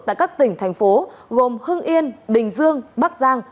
tại các tỉnh thành phố gồm hưng yên bình dương bắc giang